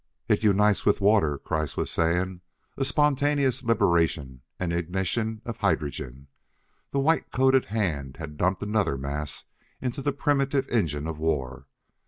"It unites with water," Kreiss was saying: "a spontaneous liberation and ignition of hydrogen." The white coated hand had dumped another mass into the primitive engine of war.